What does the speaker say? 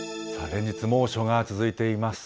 連日猛暑が続いています。